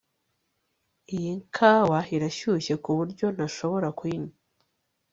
Iyi kawa irashyushye kuburyo ntashobora kuyinywa